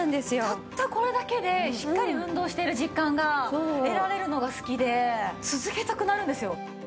たったこれだけでしっかり運動してる実感が得られるのが好きで続けたくなるんですよ。